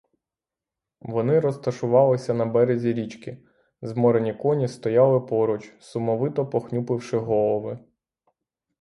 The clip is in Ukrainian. Вони розташувалися на березі річки; зморені коні стояли поруч, сумовито похнюпивши голови.